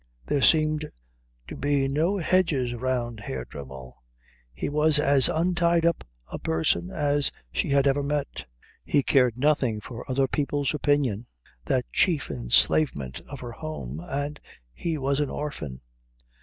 There seemed to be no hedges round Herr Dremmel. He was as untied up a person as she had ever met. He cared nothing for other people's opinion, that chief enslavement of her home, and he was an orphan.